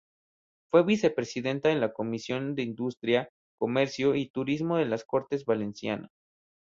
Fue vicepresidenta de la Comisión de Industria, Comercio y Turismo de las Cortes Valencianas.